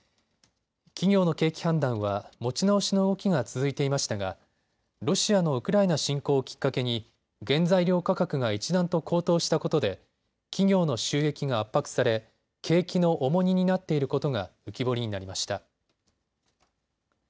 企業の景気判断は持ち直しの動きが続いていましたがロシアのウクライナ侵攻をきっかけに原材料価格が一段と高騰したことで企業の収益が圧迫され景気の重荷になっていることが浮き彫りになりました。